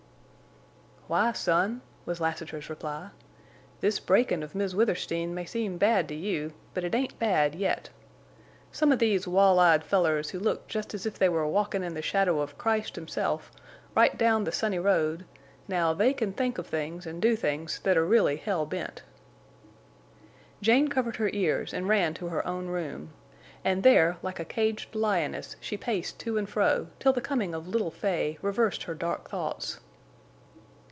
"Why, son," was Lassiter's reply, "this breakin' of Miss Withersteen may seem bad to you, but it ain't bad—yet. Some of these wall eyed fellers who look jest as if they was walkin' in the shadow of Christ himself, right down the sunny road, now they can think of things en' do things that are really hell bent." Jane covered her ears and ran to her own room, and there like caged lioness she paced to and fro till the coming of little Fay reversed her dark thoughts.